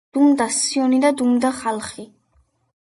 დუმდა სიონი და დუმდა ხალხი.